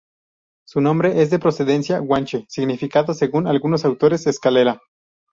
Su nombre es de procedencia guanche, significando según algunos autores 'escalera'.